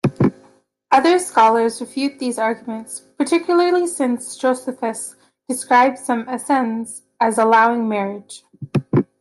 Other scholars refute these arguments-particularly since Josephus describes some Essenes as allowing marriage.